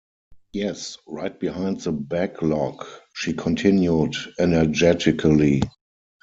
"Yes, right behind the back log," she continued, energetically.